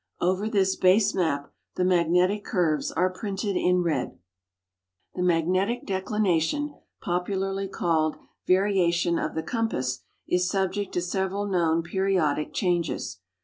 Over this base map the magnetic curves are printed in red. The magnetic declination, popularly called variation of the compa.s«, is subject to several known jjeriodic changes.